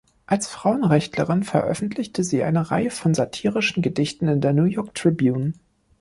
Als Frauenrechtlerin veröffentlichte sie eine Reihe von satirischen Gedichten in der "New York Tribune".